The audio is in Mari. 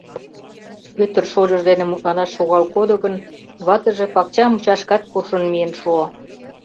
Пӧтыр шольыж дене мутланаш шогал кодо гын, ватыже пакча мучашкат куржын миен шуо.